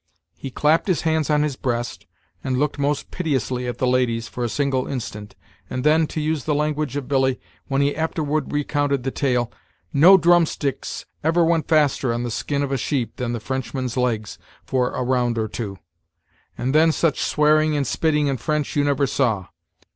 He clapped his hands on his breast, and looked most piteously at the ladies, for a single instant; and then, to use the language of Billy, when he afterward recounted the tale, "no drumsticks ever went faster on the skin of a sheep than the Frenchman's legs, for a round or two; and then such swearing and spitting in French you never saw.